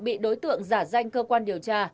bị đối tượng giả danh cơ quan điều tra